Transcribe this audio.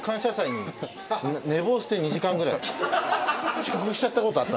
遅刻しちゃったことあった。